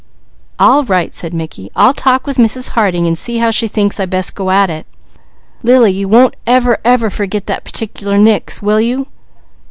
"All right!" said Mickey. "I'll talk with Mrs. Harding and see how she thinks I best go at it. Lily, you won't ever, ever forget that particular nix, will you?"